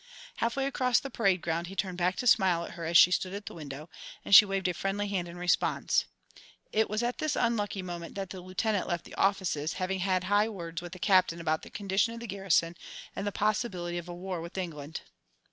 Half way across the parade ground he turned back to smile at her as she stood at the window, and she waved a friendly hand in response. It was at this unlucky moment that the Lieutenant left the offices, having had high words with the Captain about the condition of the garrison and the possibility of a war with England.